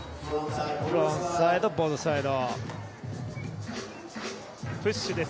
フロントサイドボードスライド。